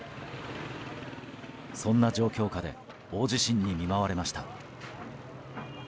そんな状況下で大地震に見舞われました。